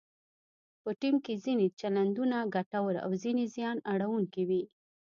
په ټیم کې ځینې چلندونه ګټور او ځینې زیان اړونکي وي.